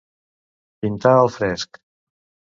Pintar al fresc.